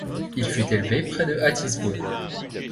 Il fut élevé près de Hattiesburg.